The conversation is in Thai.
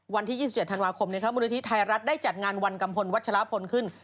วันที่๒๗ธันวาคมมูลนิธิไทยรัฐได้จัดงานวันกัมพลวัชลพลขึ้น